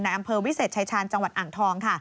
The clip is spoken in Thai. อำเภอวิเศษชายชาญจังหวัดอ่างทองค่ะ